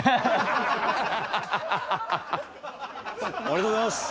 ありがとうございます。